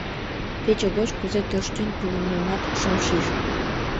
Пече гоч кузе тӧрштен пурымемат шым шиж.